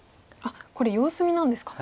これ様子見なんですか。